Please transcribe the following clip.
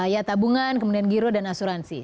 ya tabungan kemudian giro dan asuransi